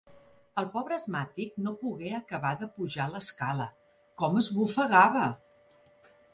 El pobre asmàtic no pogué acabar de pujar l'escala: com esbufegava!